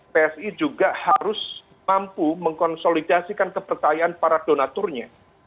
psi juga harus mampu mengkonsolidasikan kepercayaan para donaturnya